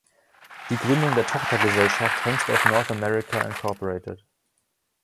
Die Gründung der Tochtergesellschaft Hengst of North America, Inc.